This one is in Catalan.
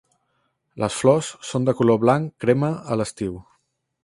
Les flors són de color blanc crema a l'estiu.